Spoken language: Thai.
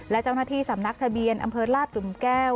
และเจ้าหน้าที่สำนักทะเบียนอำเภอลาดหลุมแก้ว